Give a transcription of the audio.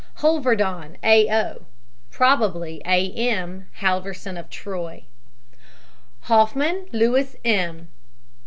HOLVERDON, A. O. (probably A. M. Halverson of Troy). HOFFMAN, LOUIS M.